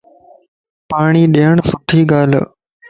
پاڻين ڏين سٽي ڳال ا